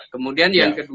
kemudian yang kedua